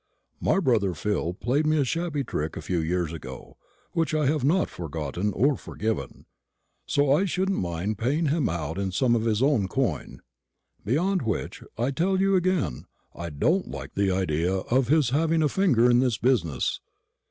"My brother Phil played me a shabby trick a few years ago, which I have not forgotten or forgiven. So I shouldn't mind paying him out in some of his own coin. Beyond which, I tell you again, I don't like the idea of his having a finger in this business.